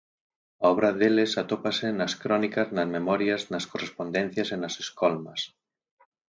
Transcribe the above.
A obra deles atópase nas crónicas, nas memorias, nas correspondencias e nas escolmas.